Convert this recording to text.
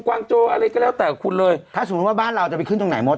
วางโจอะไรก็แล้วแต่คุณเลยถ้าสมมุติว่าบ้านเราจะไปขึ้นตรงไหนมด